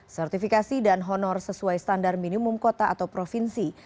sertifikasi dan honor sesuai standar minimum kota atau provinsi